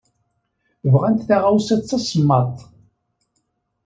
Bɣant taɣawsa d tasemmaḍt.